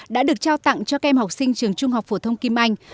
đã được trao tặng cho các em học sinh trường trung học phổ thông kim anh